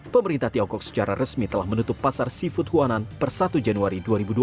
pemerintah tiongkok secara resmi telah menutup pasar seafood huanan per satu januari dua ribu dua puluh